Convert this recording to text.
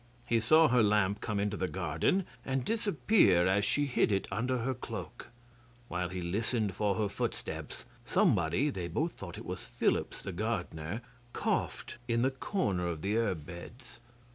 He saw her lamp come into the garden and disappear as she hid it under her cloak. While he listened for her footsteps, somebody (they both thought it was Phillips the gardener) coughed in the corner of the herb beds.